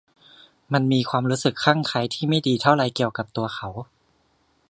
มันมีความรู้สึกคลั่งไคล้ที่ไม่ดีเท่าไหร่เกี่ยวกับตัวเขา